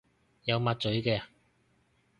有抹嘴嘅